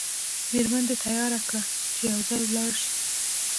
میرمن دې تیاره کړه چې یو ځای ولاړ شئ.